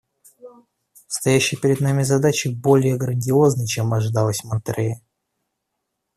Стоящие перед нами задачи более грандиозны, чем ожидалось в Монтеррее.